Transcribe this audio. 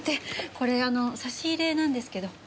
これあの差し入れなんですけど。